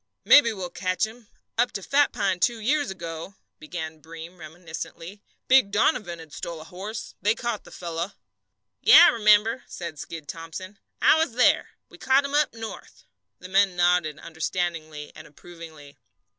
"Maybe we'll catch him. Up to Fat Pine two years ago," began Breem, reminiscently, "Big Donovan had a horse stole. They caught the fellow." "Yes, I remember," said Skid Thomson. "I was there. We caught him up north." The men nodded understandingly and approvingly.